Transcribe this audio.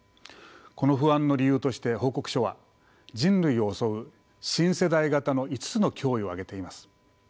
この不安の理由として報告書は人類を襲う新世代型の５つの脅威を挙げています。